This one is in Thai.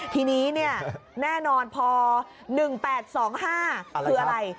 ทีนี้เนี่ยแน่นอนพอ๑๘๒๕คืออะไร